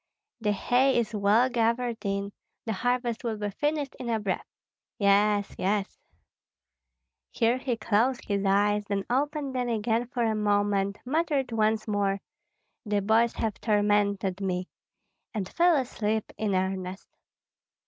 "The hay is well gathered in, the harvest will be finished in a breath. Yes, yes " Here he closed his eyes, then opened them again for a moment, muttered once more, "The boys have tormented me," and fell asleep in earnest.